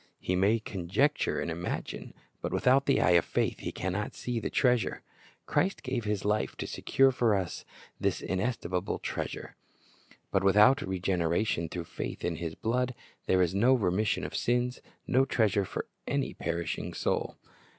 "^ He may conjecture and imagine, but without the eye of faith he can not see the treasure. Christ gave His life to secure for us this inestimable treasure; but IJohn 3 : 3 H i d d c II T r c a s n r e 113 without regeneration through faith in His blood, there is no remission of sins, no treasure for any perishing soul.